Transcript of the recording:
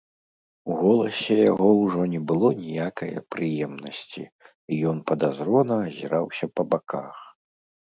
У голасе яго ўжо не было ніякае прыемнасці, і ён падазрона азіраўся па баках.